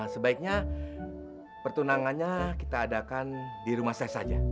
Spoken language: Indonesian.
sebaiknya pertunangannya kita adakan di rumah saya saja